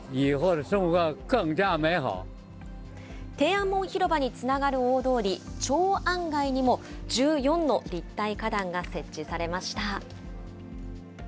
天安門広場につながる大通り、長安街にも１４の立体花壇が設置されました。